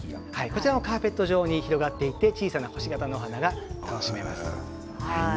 カーペット状に広がっていて小さな星形の花が楽しめます。